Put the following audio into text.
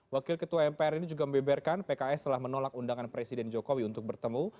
wakil ketua mpr ini juga membeberkan pks telah menolak undangan presiden jokowi untuk bertemu